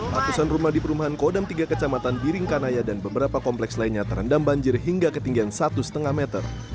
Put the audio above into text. ratusan rumah di perumahan kodam tiga kecamatan biringkanaya dan beberapa kompleks lainnya terendam banjir hingga ketinggian satu lima meter